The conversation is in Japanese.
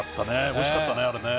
おいしかったねあれね！